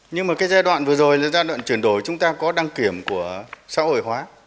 nhưng mà cái giai đoạn vừa rồi là giai đoạn chuyển đổi chúng ta có đăng kiểm của xã hội hóa